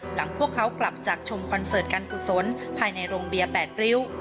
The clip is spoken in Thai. พวกเขากลับจากชมคอนเสิร์ตการกุศลภายในโรงเบียร์๘ริ้ว